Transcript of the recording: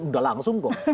sudah langsung kok